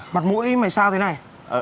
mặt mũi mày sao thế này